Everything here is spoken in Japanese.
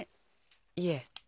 いえ。